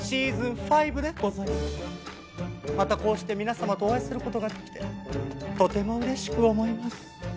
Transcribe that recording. またこうして皆様とお会いする事ができてとても嬉しく思います。